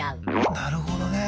なるほどね。